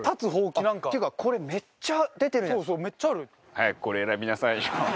早くこれ選びなさいよ。